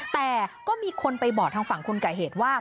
แต่ก็มีคนไปบอกทางฝั่งคนก่อเหตุว่า